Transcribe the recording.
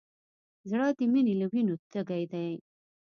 زړه د مینې له وینو تږی دی.